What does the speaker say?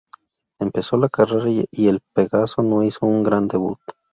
Empezó la carrera y el Pegaso no hizo un gran debut.